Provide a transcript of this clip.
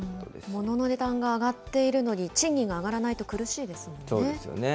ものの値段が上がっているのに、賃金が上がらないと苦しいでそうですよね。